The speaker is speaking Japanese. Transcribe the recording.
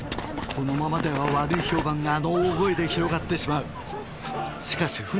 このままでは悪い評判があの大声で広がってしまうしかし